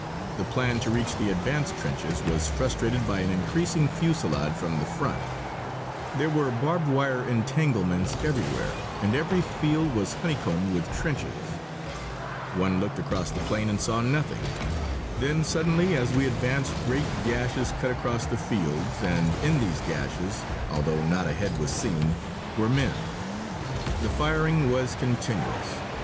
The plan to reach the advanced trenches was frustrated by an increasing fusillade from the front. There were barbed wire entanglements everywhere, and every field was honeycombed with trenches. One looked across the plain and saw nothing. Then suddenly as we advanced great gashes cut across the fields, and in these gashes, although not a head was seen, were men. The firing was continuous.